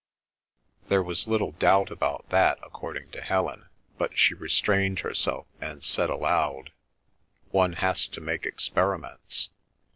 There was little doubt about that according to Helen, but she restrained herself and said aloud: "One has to make experiments."